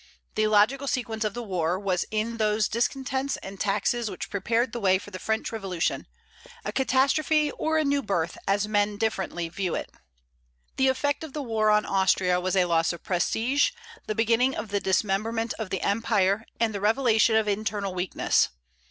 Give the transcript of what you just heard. The logical sequence of the war was in those discontents and taxes which prepared the way for the French Revolution, a catastrophe or a new birth, as men differently view it. The effect of the war on Austria was a loss of prestige, the beginning of the dismemberment of the empire, and the revelation of internal weakness.